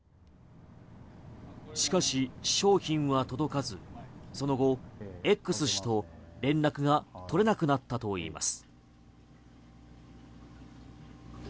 しかし、商品は届かずその後、Ｘ氏と連絡が取れなくなったといいます。